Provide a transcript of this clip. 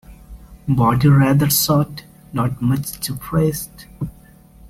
Body rather short, not much depressed.